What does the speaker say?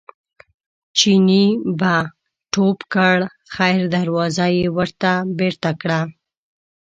چیني به ټوپ کړ خیر دروازه یې ورته بېرته کړه.